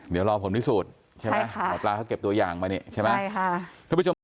เดี๋ยวรอผมที่สูตรใช่ไหมหอบปลาเขาเก็บตัวอย่างมานี่ใช่ไหม